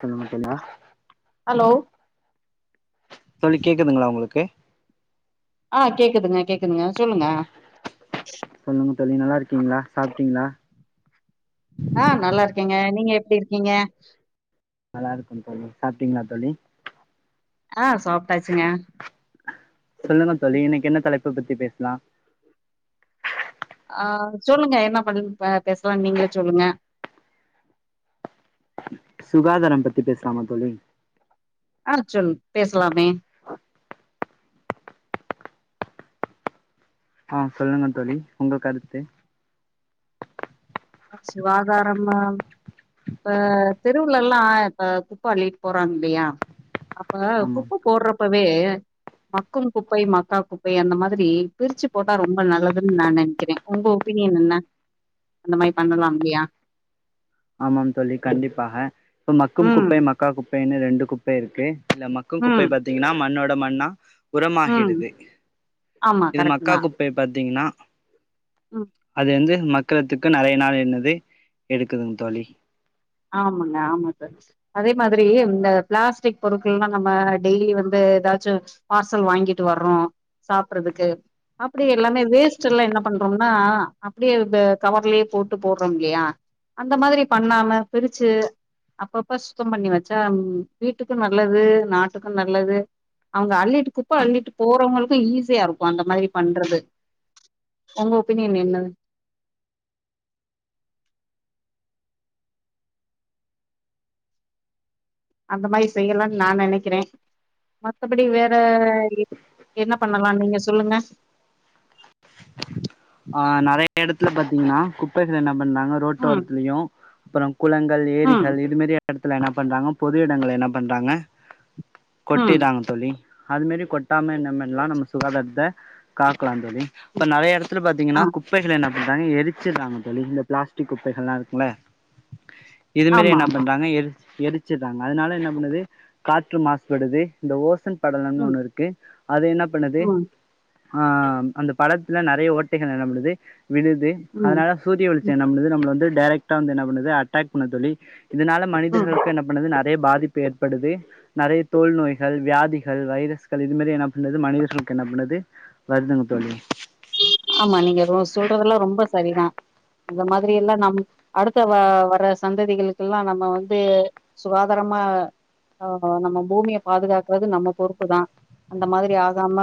சொல்ல மாட்டினா ஹலோ தோழி கேக்குதுங்ளா உங்களுக்கு ஆ கேக்குதுங்க கேக்குதுங்க சொல்லுங்க சொல்லுங்க தோழி நல்லாருக்கீங்ளா சாப்டிங்ளா ஆ நல்லாருக்கேங்க நீங்க எப்டி இருக்கீங்க நல்லாருக்கோம் தோழி சாப்டீங்ளா தோழி ஆ சாப்டாச்சுங்க சொல்லுங்க தோழி இன்னைக்கு என்ன தலைப்ப பத்தி பேசலா ஆ சொல்லுங்க என்ன பண் அ பேசலான்நீங்களே சொல்லுங்க சுகாதாரம் பத்தி பேசலாமா தோழி ஆ சொல் பேசலாமே ஆ சொல்லுங்க தோழி உங்க கருத்து சுகாதாரம்மு இப்ப தெருவுலல்லா இப்ப குப்ப அள்ளிட் போறாங்கல்லியா அப்ப ஆமாம் குப்ப போட்றப்பவே மக்கும் குப்பை மக்கா குப்பை அந்த மாதிரி பிரிச்சு போட்டா ரொம்ப நல்லதுன் நா நெனைக்கிறே உங்க ஒப்பீனியன் என்ன? இந்த மாரி பண்ணலாம் இல்லியா ஆமாம் தோழி கண்டிப்பாக இப்ப மக்கும் ம் குப்பை மக்கா குப்பைனு ரெண்டு குப் பை இருக்கு இல்ல மக்கும் குப்பை ம் பாத்தீங்கன்னா மண்ணோட மண்ணா ம் உரமாகிடுது ஆமா இது கரெக்ட் மக்கா தா கு ப்பைய பாத்தீங்னா ம் அது வந்து மக் குறதுக்கு நறைய நாள் என்னது எடுக்குதுங் தோழி ஆமாங்க ஆமாங்க அதே மாதிரி இந்த பிளாஸ்டிக் பொருட்கள்லா நம்ம டெய்லி வந்து எதாச்சு பார்சல் வாங்கிட்டு வர்றோ சாப்புறதுக்கு அப்டி எல்லாமே வேஸ்ட்டெல்லா என்ன பண்றோம்னா அப்டியே கவர்லயே போட்டு போட்றோம் இல்லயா அந்த மாதிரி பண்ணாம பிரிச்சு அப்பப்ப சுத்தம் பண்ணி வச்சா வீட்டுக்கு நல்லது நாட்டுக்கு நல்லது அவுங்க அள்ளிட்டு குப்ப அள்ளிட்டு போறவுஙளுக்கு ஈஸியா இருக்கு‌ அந்த மாதிரி பண்றது உங்க ஒப்பீனியன் என்ன அந்த மாரி செய்யலான் நா நெனக்கிறே மத்தபடி வேற என்ன பண்ணலா நீங்க சொல்லுங்க ஆ நெறைய எடத்துல பாத்தீங்னா கு குப்பைகள் என்ன பண்ணாங்க ம் ரோட்டோரத்துலயு அப்ரோ குளங்கள் ம் ஏரிகள் இதுமாரி எடத்துல என்ன பண்றாங்க பொது எடங்கல என்ன பண்றாங்க ம். கொட்டிறாங்க தோழி அது மெரி கொட்டாம என்னமல்லா நம்ம சுகாதாரத்த காக்கலா தோழி இப்ப ம். நறைய எடத் ஆ. பாத்தீங்கன்னா குப்பைகள் என்ன பண்றாங்க எரிச்சிருறாங்க தோழி இந்த பிளாஸ்டிக் குப்பைகள்ல்லா இருக்குள இது மாரி ஆமா, என்ன ஆமா. பண்றாங்க எரிச் எரிச்சடுறாங்க அதனால என்ன பண்ணுது காற்று மாசுபடுது இந்த ஓசன் படலனு ம். ஒண்ணு இருக்கு அது என்ன பண்ணுது ம். ஆ அந்த படத்துல நெறைய ஓட்டைகள் [unintelligible] படுது விழுது ம். அதனால சூரிய வெளிச்சோ ம். என்ன பண்ணுது நம்மள வந்து டைரக வந்து என்ன பண்ணது அட்டாக் பண்ணுது தோழி இதனால ம். மனிதர்களுக்கு என்ன பண்ணது நெறைய பாதிப்பு ஏற்படுது நறைய தோல் நோய்கள் வியாதிகள் வைரஸ்கள் இது மாதிரி என்ன பண்ணது மனிதர்களுக்கு என்ன பண்ணுது வர்துங்க தோழி ஆமா நீங்க [unintelligible] சொல்றதுல்லா ரொம்ப சரிதா அந்த மாதிரி எல்லா நம் அடுத்த வ வர சந்ததிகளுக்குல்லா நம்ம வந்து சுகாதாரமா ஆ நம்ம பூமிய பாதுகாக்குறது நம்ம பொறுப்பு தா அந்த மாதிரி ஆகாம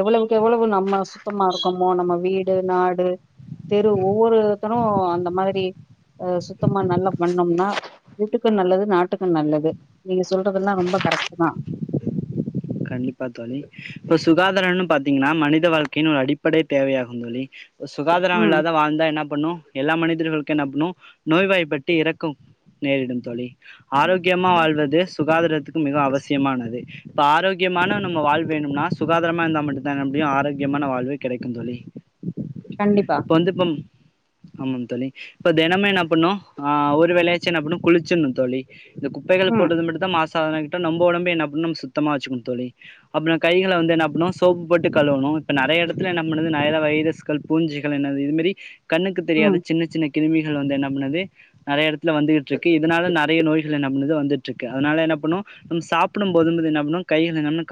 எவ்வளவுக்கு எவ்வளவு நம்ம சுத்தமா இருக் கமோ நம்ம வீடு நாடு தெரு ஒவ்வொருத்தனு அந்த மாதிரி ஆ சுத்தமா நல்ல பண்ணேம்னா வீட்டுக்கு நல்லது நாட்டுக்கு நல்லது நீங்க சொல்றதுல்லா ரொம்ப கரெக்ட் தா கன்டிப்பா தோழி இப்ப சுகாதாரம்னு பாத்தீங்கன்னா மனித வாழ்க்கையின் ஒரு அடிப்படை தேவையாகு தோழி சுகாதார ம். இல்லாத வாழ்ந்தா என்னா பண்ணு எல்லா மனிதர்களுக்கு என்ன பண்ணு நோய்வாய்ப்பட்டு இறக்கு நேரிடு தோழி ஆரோக்கியமா வாழ்வது சுகாதாரத்துக்கு மிக அவசியமானது இப்ப ஆரோக் முக்கியமான நம்ம வாழ் வேணும்னா சுகாதாரமா இருந்தா மட்டு தா என்ன அப்டியு ஆரோக்கியமான வாழ்வை கெடைக்கு தோழி கண்டிப்பா. இப்ப வந்து இப்போ ஆமாதோழி இப்ப தெனமு என்ன பண்ணு ஆ ஒரு வேளையாச்சு என்னப்பண்ணு குளிச்சிட்டு தோழி இந்த குப்பைகள் ம் போட்டது மட்டுதா மாசுகுதா கேட்ட நம்ம ஒடம்பியு என்ன பண்ணு நம்ம சுத்தமா வச்சுணு தோழி அப்றோ கைகள வந்து என்ன பண்ணு சோப்பு போட்டு கழுவணு இப்ப நறைய எடத்துல என்ன பண்ணுது நறைய வைரஸ் கள் புஞ்சிக்க என்னது இது மாரி கண்ணுக்கு ம் தெரியாத சின்ன சின்ன கிருமிகள் வந்து என்ன பண்ணுது நெறைய எடத்துல வந்துகிட்டு இருக்கு இதனால நறைய நோய்கள் பண்ணுது வந்துட்டு இருக்கு அதனால என்ன பண்ணு நம்ம சாப்புடு போது [unintelligible] என்ன கைகள நம்ம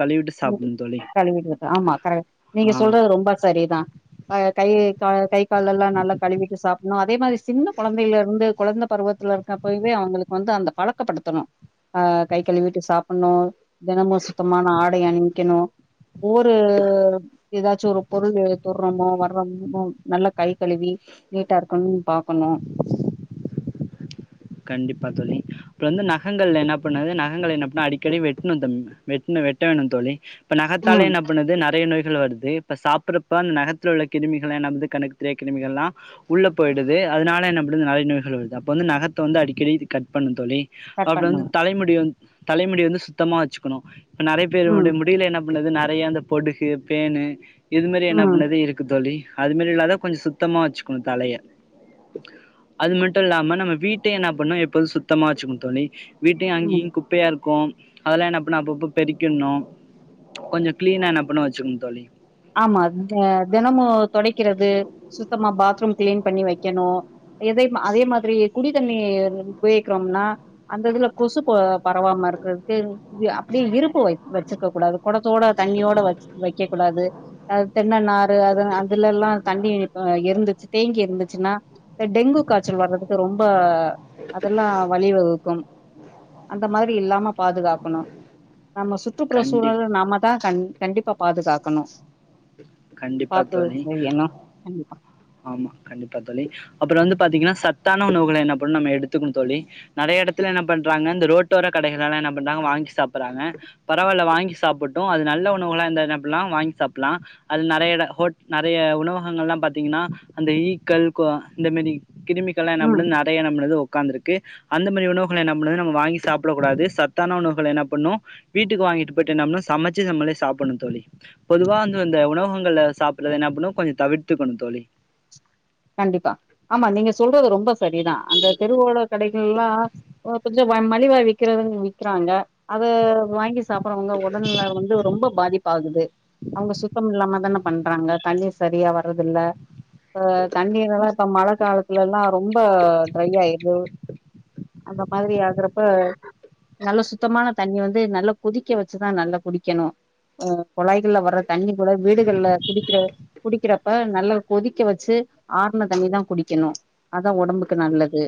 [unintelligible] ஆமா கரெ நீங்க ஆ சொல்றது ரொம்ப சரிதா ஆ கையி கா கை கால் எல்லா நல்லா கழுவிட்டு சாப்ட்ணு அதே மாதிரி சின்ன கொழந்தைகளிருந்து கொழந்தை பருவத் [unintelligible] இப்பவோ அவுங்களுக்கு வந்து அந்த பழக்கப்படுத்தணு அ கை கழு வீட்டு சாப்பட்ணு தினம சுத்தமான ஆட அணிக்கணு ஊர்ரு ஏதாச்சு ஒரு பொருளு தோட்றோமோ வர்றோமமோ நல்லா கை கழுவி நீட்டா இருக்கணு பாக் கண்டிப்பா தோழி அப்றோ வந்து நகங்கல என்ன பண்ணாது நகைங்கள் என்ன பண்ணா அடிக்கடி வெட்னு தம் வெட்னு வேணு தோழி இப்ப நகத்தாலே ம் என்ன பண்ணுது நெறைய நோய்கள் வர்து இப்ப சாப்ட்டறப்ப அந்த நகரத்து உள்ள கிருமிகள்ல்ல என்னபண்ணுது வந்து கண்ணுக்கு தெரியாது கிருமிகள் எல்லா உள்ள போய்டுது அதனால என்ன பண்ணுது நெரைய நோய்கள் வருது அப்ப வந்து நக த்த வந்து அடிக்கடி கட்டு பண்ணு தோழி கட் அப்பறோ வந்து பண்ணுங்க தலைமுடி வந்து தலைமுடி வந்து சுத்தமா வச்சுக்கணு இப்ப நெறைய ம் பேருடைய முடியில என்ன பண்ணது நறைய அந்த பொடுகு பேனு இது மெரி என்ன ம் பண்ணது இருக்கு தோழி அதுமாரி இல்லாத கொஞ்சொ சுத்தமா வச்சுக்கணும் தலைய அது மட்டு இல்லாம நம்ம வீட் டயு என்ன பண்ணு எப்போவு சுத்தமா வச்சுக்கணு தோழி வீட்டையு ம் அங்கேயு குப் பையா இருக்கு அதெல்லா என்ன பண்ணு அப்பப்ப பெறிக்கிர்ணு கொஞ்சொ கிளீனா என்ன பண்ண வச்சுக்கோங் தோழி ஆமா த தெனமு தொடைக்கிறது சுத்தமா பாத்ரூம் கிளீன் பண்ணி வைக்கணு எதையும் அதே மாதிரி குடிதண்ணி உபயோக்கிறோனா அந்த இதுல கொசுக்க பரவாம இருக்கறதுக்கு அப்டியே இருப்பு வைக் வச்சிருக்க கூடாது கொடத்தோட தண்ணியோட வைக் வைக்க கூடாது அது தென்ன நாறு அது அதுலல்லா தண்ணி அ இருந்துச்சு தேங்கி இருந்துச்சுன்னா இந்த டெங்கு காய்ச்சல் வர்றதுக்கு ரொம்ப அதுல்லா வழிவகுக்கும் அந்த மாரி இல்லாம பாதுகாக்கணு நம்ம சுற்றுப்புற கண்டிப் சூழல நாம்மதா கண் கண்டிப் பா பாதுகாக்கணு கண்டிப்பா காக்வோம் தோழி [unintelligible] கண்டிப்பா ஆமா கண்டிப்பா தோழி அப்பறோ வந்து பார்த்தீங்கன்னா சத்தான உணவுகள என்ன பண்ணும் எடுத்துக்கண் தோழி நெறைய எடத்துல என்ன பண்றாங்க இந்த ரோட்டோர கடைகளெல்லா என்ன பண்றாங்க வாங்கி சாப்புறாங்க பரவால்ல வாங்கி சாப்புட்டு அது நல்ல உணவுகளா இருந்தா அப்டினா வாங்கி சாப்புலா அது நெறையட ஹோட் நெறைய உணவகங்கள்லாம் பாத் தீங்கன்னா அந்த ஈக்கள் கொ இந்த மாரி கிருமிகள்லா என்னா ம் பண்து நெறைய நம்மள உக்காந்து இருக்கு அந்த மாரி உணவுகள்ல என்ன பண்ணும் நம்ம வாங்கி சாப்புடக் கூடாது சத்தான உணவுகள் என்ன பண்ணு வீட்டுக்கு வாங்கிட்டு போயிட்டு நம்ம சமைச்சு நம்மளே சாப்டணு தோழி பொதுவா வந்து இந்த உணவகங்கள் சாப்புடுறது என்னா பண்ணு கொஞ்சொ தவிர்த்துக்கணு தோழி கண்டிப்பா ஆமா நீங்க சொல்றது ரொம்ப சரிதா அந்த தெருவோட கடைகள்லா ஓ கொஞ்சொ வ மலிவா விக்கிறவங்க விக்கிறாங்க அத வாங்கி சாப்புறவங்க உடல்நில வந்து ரொம்ப பாதி ப்பாகுது அவங்க சுத்தம் இல்லாம தானே பண்றாங்க தண்ணி சரியா வர்றதுல்ல ஆ தண்ணீர் எல்லா இப்ப மழ காலத்துலல்லா ரொம்ப ட்ரை ஆயிடுது அந்த மாரி ஆகுறப்ப நல்ல சுத்தமான தண்ணி வந்து நல்லா கொதிக்க வச்சுதா நல்லா குடிக்கணு அ குழாய்கள்ல வர்ற தண்ணி கூட வீடுகள்ல குடிக்கிற குடிக்கறப்ப நல்லா கொதிக்க வச்சு ஆறுண தண்ணி தா குடிக்கணு அதா ஓடம்புக்கு நல்லது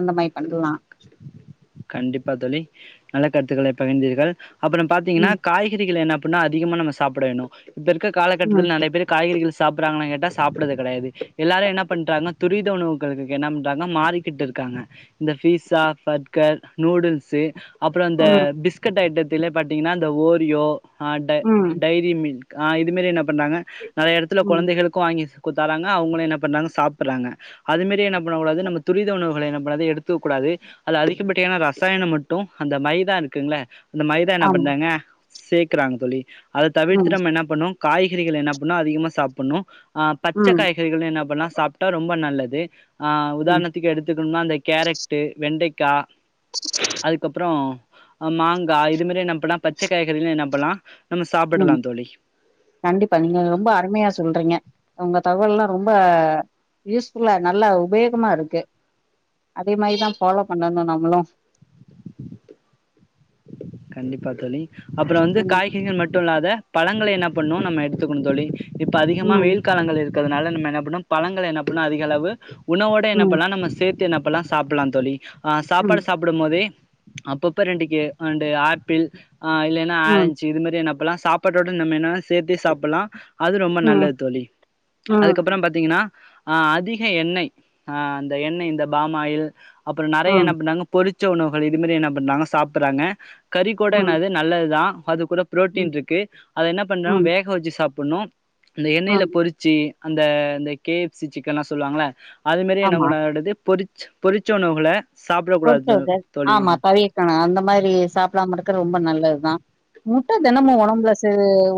அந்த மாரி பண்ணலா கண்டிப்பா தோழி நல்ல கருத்துக்களை பகிர்ந்தீர்கள் அப்பறோ பாத்தீங்கன்னா ம் காய்கறிகள் என்ன பண்ணு அதிகமா நம்ம சாப்ட வேணு இப்ப இருக்க ம் காலகட்டத்துல நெறைய பேரு காய்கறிகள் சாப்புறாங்களான் கேட்டா சாப்டது கெடையாது எல்லாரு என்ன பண்றாங்க துரித உணவுகளுக்கு என்ன பண்றாங்கனா மாறி க்கிட்டுருக்காங்க இந்த பீஸா பர் க்கர் நூடுல்ஸ் அப்பறோ அந்த ம் பிஸ்கட் ஐட்டத்தில பாத்தீங்கன்னா அந்த ஓரியோ ஆ ட ம் டைரி மில்க் ஆ இது மாதி என்ன பண்றாங்க நெறைய இடத்துல ம் கொழந்தைகளுக் கு வாங்கி குடுத்தாராங்க அவங்களு என்ன பண்றாங்க சாப்புடுறாங்க அதுமாரி என்ன பண்ண கூடாது நம்ம துரித உணவுகள என்ன பண்ணாது எடுத்துக கூடாது அதுல அதிக படியான்னா ரசாயனோ மட்டோ அந்த மைதா இருக்குங்களா அந்த மைதா என்ன ஆமா பண்தாங்க சேக்கறாங்க தோழி அத தவிர்த்துட்டு ம் நம்ம என்ன பண்ணு காய்கறிகள் என்ன பண்ணு அதிகமா சாப்பணு ஆ பச்ச ம் காய்கறிகள் என்னா பண்ணா சாப்ட்டா ரொம்ப நல்லது ஆ ம் உதாரணத்துக்கு எடுத்துக்கணுனா அந்த கேரட்டு, வெண்டைக்கா அதுக்கப்புறோ அ மாங்கா இது மாரி என்ன பண்லா பச்ச காய்கறிகள என்ன பண்லா நம்ம ம் சாப்புடலாந் தோழி கண்டிப்பா நீங்க ரொம்ப அருமையா சொல்றீங்க உங்க தகவல்லா ரொம்ப யூஸ்ஃபுல்லா நல்லா உபயோகமா இருக்கு அதே மாதா ஃபாலோ பண்ணணு நம்மளு கண்டிப்பா தோழி அப்புறோ வந்து ம் காய்கறிகள் மட்டு இல்லாத பழங்களை என்னா பண்ணு நம்ம எடுத்துக்குணு தோழி இப்போ அதிகமா ம் வெயில் காலங்கள் இரு க்கதனால நம்ம என்ன பண்ணு பழங்கள என்ன பண்ணு அதிக அளவு உணவோட என்ன ம் பண்லா நம்ம சேத் து என்னா பண்லா சாப்பிலா தோழி அ ம் சாப்பாடு சாப்பிடும்மோதே அப்பப்ப ரெண்டு கே அ ண்டு ஆப்பிள் அ இல்லேனா ம் ஆரஞ்சு இது மாரி என்னா பண்லா சாப் பாடோட நம்ம என்னா சேத்தே சாப்பில்லா அது ரொம்ப ம் நல்லது தோழி அதுக்கப்புறோ ம் பாத் தீங்கனா அ அதிக எண்ணெய் அ அந்த எண்ணெய் இந்த பாமாயில் அப்புறோ நறைய என்ன ம் பண்றாங்க பொறிச்ச உணவுகள் இது மாரி என்ன பண்றாங்க சாப்பிறாங்க கறி கூட ம் என்னது நல்லதுதா அது கூட ம் புரோட்டீன்ட்ருக்கு அத என்ன பண்ணோ ம் வேக வெச்சு சாப்பிண்ணு அந்த எண்ணெயில ம் பொறிச்சு அந்த அந்த கே எஃப் சி சிக்கன்லா சொல்வாங்கள அது மாரி என்ன ஆமா பண்ணுவாங்க அடுத்து பொறிச் பொறிச்ச உணவுகள சாப்பிடக் கூடாது பொரிச்சதுத தோழி ஆமா தவிக்கணு அந்த மாரி சாப்பிடாம இருக்க ரொம்ப நல்லத்தா முட்ட தினமு ஒடம்புல சே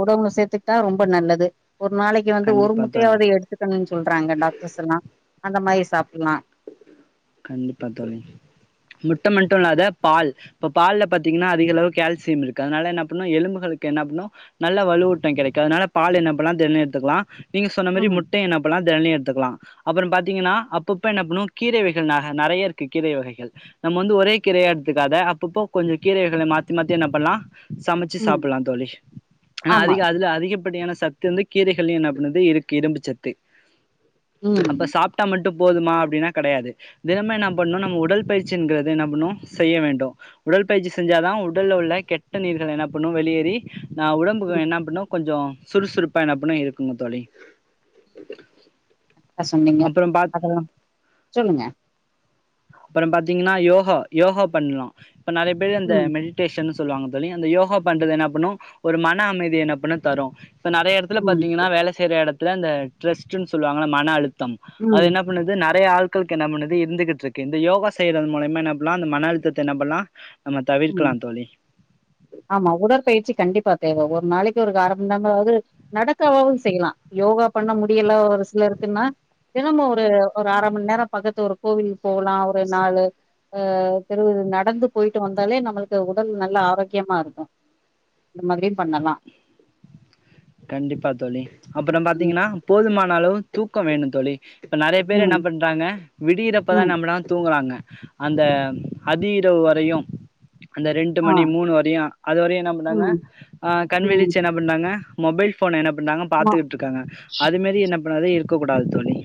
ஒடம்புல சேத்துக்கிட்டா ரொம்ப நல்லது ஒரு நாளைக்கு வந்து ஒரு கண்டிப்பா தோழி முட்டையாவது எடுத்துக்கணுன் சொல்றாங்க டாக்டர்ஸ் எல்லா அந்த மாரி சாப்பில்லா கண்டிப்பா தோழி முட்ட மட்டு இல்லாத பால் இப்ப பால்ல பாத்தீங்கன்னா அதிகளவு கால்சியம் இருக்கு அதனால என்ன பண்ணு எலும்புகளுக்கு என்ன பண்ணு நல்ல வலுவூட்டோ கெடைக்கு அதனால பால் எண்ண பண்லா தெனோ எட்த்துக்லா நீங்க சொன்ன மாரி ம் முட்ட என்னப்பண்லா தெனியு எட்த்துக்குலா அப்புறோ பாத்தீங்கன்னா அப்பப் ப்ப என்ன பண்ணு கீரை வகைகள் நக நறைய இருக்கு கீரை வகைகள் நம்ம வந்து ஒரே கீரையா எடுத்துக்காத அப்பப்போ கொஞ்சோ கீரைகளை மாத்தி மாத்தி என்ன பண்லா சமச்சு ம் சாப்பில்லா தோழி ஏனா ஆமா அதிக அதுல அதிகப்படியான சத் து வந்து கீரைகள்யு என்னாப்பண்ணுது இருக்கு இரும்புச்சத்து அப்ப ம் சாப்ட்டா மட்டு போதுமா அப்டினா கெடையாது தினமு என்ன பண்ணு நம்ம உடல் பயிற்சிங்கறத என்ன பண்ணு செய்ய வேண்டும் உடல் பயிற்சி செஞ்சாதா உடல்ல உள்ள கெட்ட நீர்கள் என்ன பண்ணு வெளியேறி நா உடம்புக்கு ம் என்ன பண்ணு கொஞ்சோ சுறுசுறுப்பா என்ன பண்ணு இருக்குங்க தோழி அ சொன்னீங்க அப்புறம் பாத் அதெல்லா சொல்லுங்க அப்புறம் பாத்தீங்கன்னா யோகா பண்லா இப்ப நறைய இந்த ம் மெடி டேஷன்னு சொல்லுவாங்க தோழி அந்த யோகா பண்றது என்ன பண்ணு ஒரு மன அமைதி என்ன பண்ணு தரு இப்ப நறைய எடத்துல ம் பாத்தீங்கன்னா வேல செய்ற எடத்துல இந்த ட்ரஸ்ட்டுன் சொல்லுவாங்கல மன அழுத்தம் அது ம் என்ன பண்ணு து நறைய ஆள்களுக்கு என்ன பண்ணுது இருந்துகிட்ருக் கு இந்த யோகா செய்யறது மூலியமா என்ன பண்லா இந்த மன அழுத்தத்த என்ன பண்லா நம்ம ம் தவிர்கலா தோழி ஆமா உடற்பயிற்சி கண்டிப்பா தேவ ஒரு நாளைக்கு ஒரு க அரமண்நேரமாவது நடக்கவாவு செய்யலா யோகா பண்ண முடியல ஒரு சிலருக்குன்னா தினமு ஒரு ஒரு அர மண் நேர பக்கத்து ஒரு கோவில் போகலா ஒரு நாலு ஆ தெருவுரு நடந்து போய்ட்டு வந்தாலே நம்மளுக்கு உடல் நல்ல ஆரோக் கியமா இருக்கு இந்த மாதிரியு பண்ணலா கண்டிப்பா தோழி அப்புறம் ம் பாத்தீங்கனா போதுமான அளவு தூக்கோ வேணு தோழி இப்ப நறைய பேரு என்ன ம் பண்றாங்க விடியிறப்பதா ம் நம்மளா தூங்குறாங்க அந்த அதிஇரவு வரையு அந்த ரெண்டு ஆ மணி மூணு வரையு அதுவரையு என்ன பண்றாங்க ம் ஆ ம் கண்விழிச்சு என்ன பண்ணாங்க மொபைல் ஃபோன என்ன பண்றாங்க மா பாத்துக்கிட்ருக்காங்க அதுமாரி என்ன பண்ணறது இருக்ககூடாது தோழி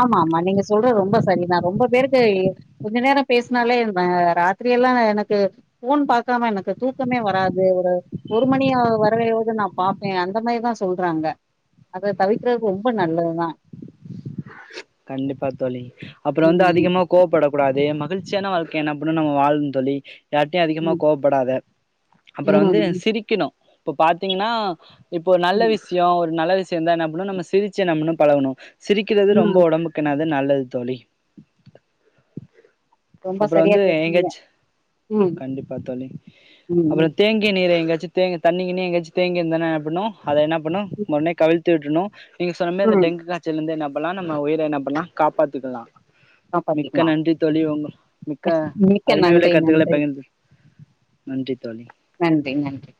ஆமா ஆமா நீங்க சொல்றது ரொம்ப சரிதா ரொம்ப பேருக்கு கொஞ்ச நேர பேஸ்னாலே அ ராத்திரியெல்லா எனக்கு போன் பாக்காம எனக்கு தூக்கமே வராது ஒரு ஒரு மணி ஆவரவேது நா பாப்பேன் அந்த மாரிதா சொல்றங்க அத தவிக்கறது ரொம்ப நல்லதுதா கண்டிப்பா தோழி அப்றம் வந்து ம் அதிகமா கோவப்பட கூடாது மகிழ்ச்சியான வாழ்க்கை என்ன பன்னுநம்ம வாழ்னும் தோழி யாருட்டயு அதிகமா ம் கோவப்படாத அப்றம் வந்து ம் சிரிக்கணும் இப்ப பாத்தீங்கன்னா இப்போ ஒரு நல்ல ம் விஷயம் ஒரு நல்ல விஷயம்ணா வந்தா என்ன பன்னனு நம்ம சிரிச்ச எண்ண பன்னு பழகணும் சிரிக்கறது ரொம்ப ம் ஒடம்புக்கு னது நல்லது தோழி ரொம்ப அப்றம் சரியா வந்து பேசுனீங்க எங்கயாச்சும் ம் கண்டிப்பா தோழி ம் அப்றம் தேங்கிய நீரை எங்கயாச்சும் தேங்க் தண்ணிக்கிண்ணி எங்கயாச்சும் தேங்க இருந்தா என்ன பண்ணும் அதை என்ன பண்ணும் ம் உடனே கவிழ்த்து விட்ருணும் நீங்க சொன்ன மாரி ம் டெங்கு காய்ச்சல் இருந்து என்ன பண்லா நம்ம உயிர என்ன பண்லா காப்பாத்திக்கலாம் காப்பாத்திக்கலா மிக்க நன்றி தோழி ரொம்ப மிக்க நன்றி நன்றி பகிர்ந்து நன்றி தோழி நன்றி நன்றி